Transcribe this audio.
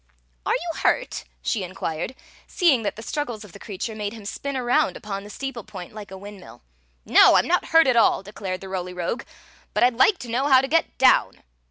"Are you hurt?" she inquired, seeing that the struggles of the creature made him spin around upon the steeple point like a windmill. " No, I 'm not hurt at all," declared the Roly Rogue; "but I 'd like to know how to get down."